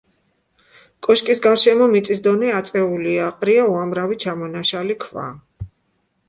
კოშკის გარშემო მიწის დონე აწეულია, ყრია უამრავი ჩამონაშალი ქვა.